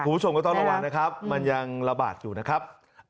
คุณผู้ชมก็ต้องระวังนะครับมันยังระบาดอยู่นะครับ